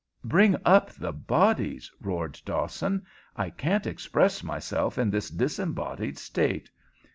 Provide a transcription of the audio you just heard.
"Bring up the bodies!" roared Dawson. "I can't express myself in this disembodied state.